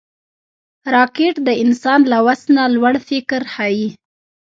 راکټ د انسان له وس نه لوړ فکر ښيي